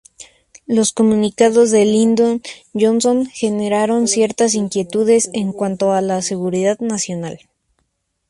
Los comunicados de Lyndon Johnson generaron ciertas inquietudes en cuanto a la seguridad nacional.